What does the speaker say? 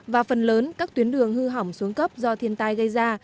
và phần lớn các tuyến đường hư hỏng xuống cấp do thiên tai gây ra